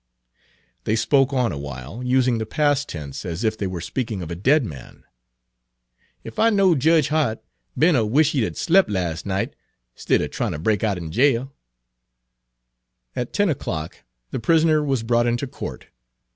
They spoke on awhile, using the past tense as if they were speaking of a dead man. "Ef I know Jedge Hart, Ben 'll wish he had slep' las' night, 'stidder tryin' ter break out'n jail." Page 309 At ten o'clock the prisoner was brought into court.